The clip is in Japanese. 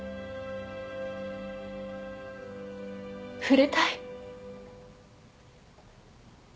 触れたい。